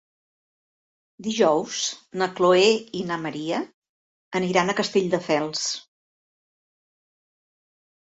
Dijous na Chloé i na Maria aniran a Castelldefels.